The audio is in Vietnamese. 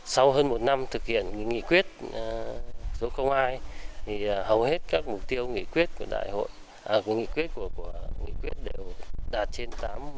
sau hơn một năm thực hiện nghị quyết số hai hầu hết các mục tiêu nghị quyết của nghị quyết đều đạt trên tám mươi